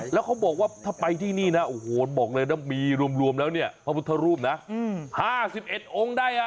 แล้วเขาบอกว่าถ้าไปที่นี่นะโอ้โหบอกเลยนะมีรวมแล้วเนี่ยพระพุทธรูปนะ๕๑องค์ได้